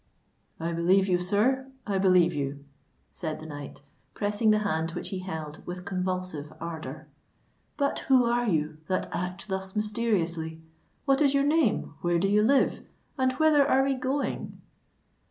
"I believe you, sir—I believe you," said the knight, pressing the hand which he held, with convulsive ardour. "But who are you that act thus mysteriously? what is your name? where do you live? and whither are we going?"